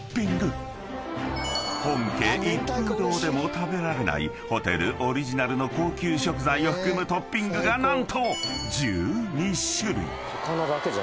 ［本家一風堂でも食べられないホテルオリジナルの高級食材を含むトッピングが何と１２種類］